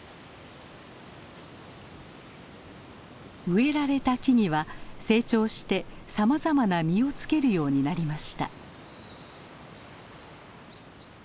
植えられた木々は成長してさまざまな実をつけるようになりました。